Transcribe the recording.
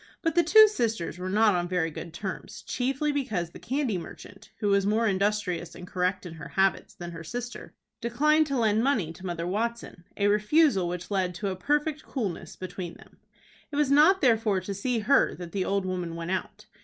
But the two sisters were not on very good terms, chiefly because the candy merchant, who was more industrious and correct in her habits than her sister, declined to lend money to Mother Watson, a refusal which led to a perfect coolness between them. It was not therefore to see her that the old woman went out.